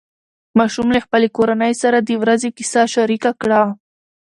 ماشوم له خپلې کورنۍ سره د ورځې کیسه شریکه کړه